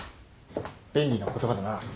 便利な言葉だな。